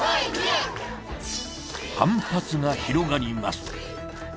反発が広がります。